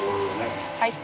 はい。